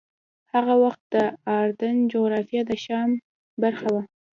هغه وخت د اردن جغرافیه د شام برخه وه.